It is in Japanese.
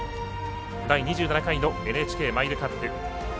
第２７回ＮＨＫマイルカップ。